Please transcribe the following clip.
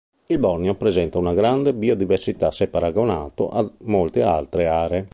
Il Borneo presenta una grande biodiversità se paragonato a molte altre aree.